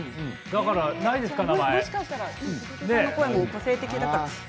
だからないですか？